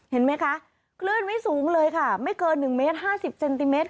เห็นไหมคะคลื่นไม่สูงเลยค่ะไม่เกิน๑เมตร๕๐เซนติเมตร